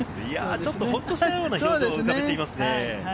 ちょっと、ほっとしたような表情を浮かべていますね。